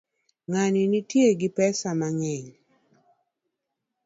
Ngani nitie gi pesa mangeny